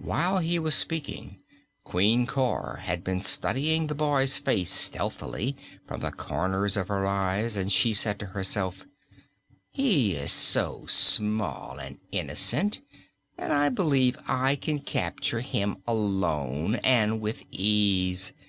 While he was speaking Queen Cor had been studying the boy's face stealthily, from the corners of her eyes, and she said to herself: "He is so small and innocent that I believe I can capture him alone, and with ease.